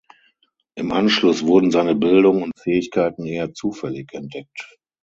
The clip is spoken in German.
Im Anschluss wurden seine Bildung und Fähigkeiten eher zufällig entdeckt.